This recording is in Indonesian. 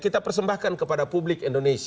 kita persembahkan kepada publik indonesia